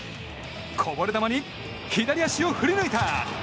こぼれ球に左足を振りぬいた！